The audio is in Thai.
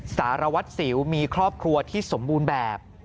สารวัตรสิวมีครอบครัวที่สมบูรณ์แบบ